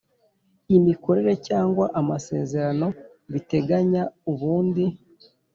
Imikorere cyangwa amasezerano biteganya ubundi